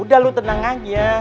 udah lu tenang aja